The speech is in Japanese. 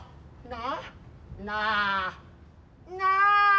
なあ。